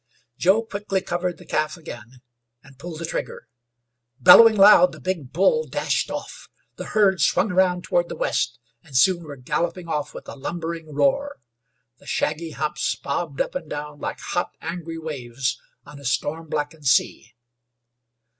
Joe quickly covered the calf again, and pulled the trigger. Bellowing loud the big bull dashed off. The herd swung around toward the west, and soon were galloping off with a lumbering roar. The shaggy humps bobbed up and down like hot, angry waves on a storm blackened sea.